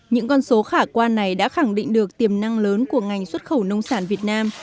những con số khả quan này đã khẳng định được tiềm năng lớn của ngành xuất khẩu nông sản việt nam